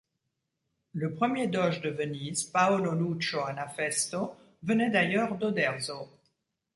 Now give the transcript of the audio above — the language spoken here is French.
Le premier doge de Venise, Paolo Lucio Anafesto, venait d'ailleurs d'Oderzo.